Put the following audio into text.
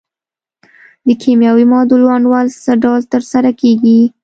د کیمیاوي معادلو انډول څه ډول تر سره کیږي؟